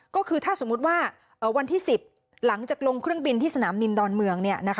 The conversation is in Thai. ก็คือถ้าสมมุติว่าวันที่๑๐หลังจากลงเครื่องบินที่สนามบินดอนเมือง